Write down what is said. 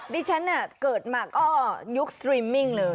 ดิฉันเกิดมาก็ยุคสตรีมมิ่งเลย